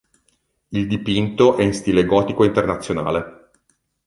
Il dipinto è in stile gotico internazionale.